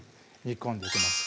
煮込んでいきます